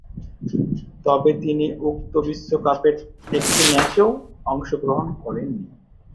তবে তিনি উক্ত বিশ্বকাপের একটি ম্যাচেও অংশগ্রহণ করেননি।